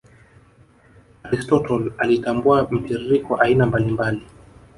Aristotle alitambua mtiririko aina mbali mbali